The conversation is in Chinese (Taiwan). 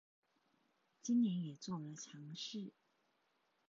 今年也做了嘗試